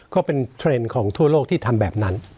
ก็เป็นเทรนด์ของทั่วโลกที่ทำแบบนั้น